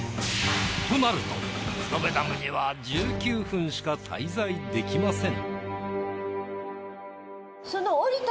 となると黒部ダムには１９分しか滞在できません。